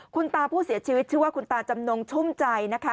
คุณตาผู้เสียชีวิตชื่อว่าคุณตาจำนงชุ่มใจนะคะ